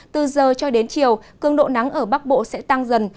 từ giờ cho đến chiều cường độ nắng ở bắc bộ sẽ tăng dần